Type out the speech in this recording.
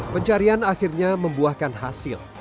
pencarian akhirnya membuahkan hasil